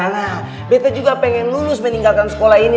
nah bt juga pengen lulus meninggalkan sekolah ini